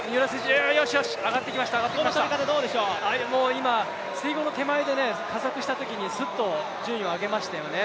今水濠の手前で加速したときにスッと順位を上げましたよね